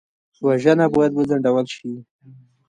وژنه باید وځنډول شي